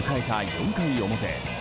４回表。